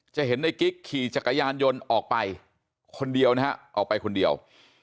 จะเห็นในกิ๊กขี่จักรยานยนต์ออกไปคนเดียวนะฮะออกไปคนเดียว